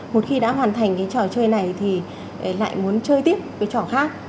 một khi đã hoàn thành cái trò chơi này thì lại muốn chơi tiếp với trò khác